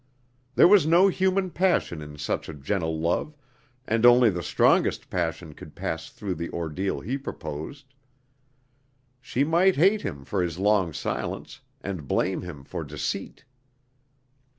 There was no human passion in such a gentle love, and only the strongest passion could pass through the ordeal he proposed. She might hate him for his long silence, and blame him for deceit.